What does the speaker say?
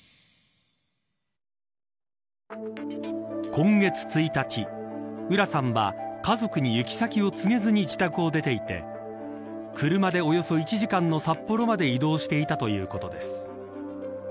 今月１日、浦さんは家族に行き先を告げずに自宅を出ていて車でおよそ１時間の札幌まで移動していたということです。